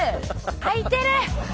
開いてる！